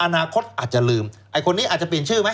อนาคตอาจจะลืมไอ้คนนี้อาจจะเปลี่ยนชื่อไหม